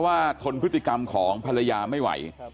ทนพฤติกรรมของภรรยาไม่ไหว